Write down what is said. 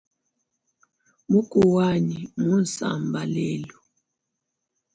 Muku wanyi mmunsamba lelu.